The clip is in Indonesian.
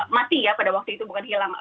mati ya pada waktu itu bukan hilang